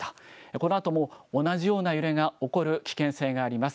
このあとも、同じような揺れが起こる危険性があります。